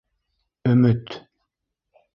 Өмөт.